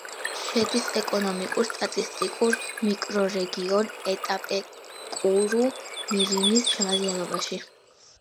შედის ეკონომიკურ-სტატისტიკურ მიკრორეგიონ იტაპეკურუ-მირინის შემადგენლობაში.